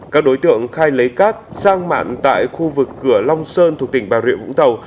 các đối tượng khai lấy cát sang mạn tại khu vực cửa long sơn thuộc tỉnh bà rịa vũng tàu